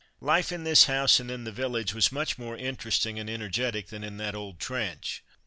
Life in this house and in the village was much more interesting and energetic than in that old trench.